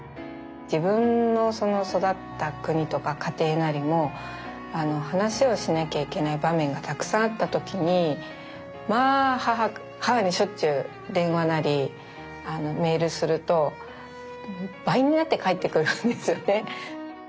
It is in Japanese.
自分の育った国とか家庭なりも話をしなきゃいけない場面がたくさんあった時にまあ母にしょっちゅう電話なりメールすると倍になって返ってくるんですよね。